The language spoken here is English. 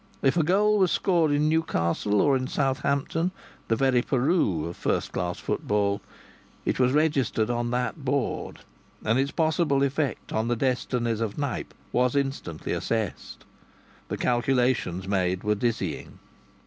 If a goal was scored in Newcastle, or in Southampton, the very Peru of first class football, it was registered on that board and its possible effect on the destinies of Knype was instantly assessed. The calculations made were dizzying.